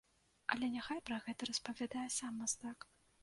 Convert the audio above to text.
Але няхай пра гэта распавядае сам мастак.